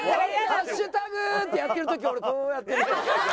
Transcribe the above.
「ハッシュタグー！」ってやってる時俺こうやってるから。